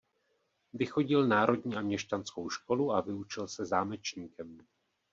Vychodil národní a měšťanskou školu a vyučil se zámečníkem.